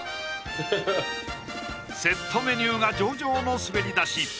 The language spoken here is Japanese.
ヘヘヘセットメニューが上々の滑り出し！